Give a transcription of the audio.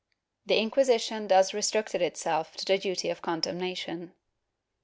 The Inquisition thus restricted itself to the duty of condemnation.